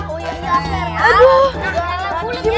jempolnya dalam bunga